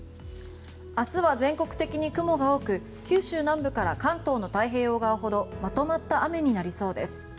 明日は全国的に雲が多く九州南部から関東の太平洋側ほどまとまった雨になりそうです。